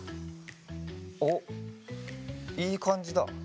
おっいいかんじだ。